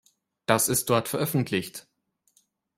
Das ist dort veröffentlicht.